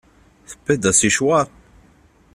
Tewwiḍ-d asicwaṛ?